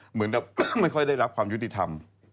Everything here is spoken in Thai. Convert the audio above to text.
เหมือนกับก็ไม่ค่อยได้รับความยุติธรรม